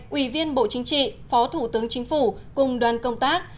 ủy viên bộ chính trị phó thủ tướng chính phủ cùng đoàn công tác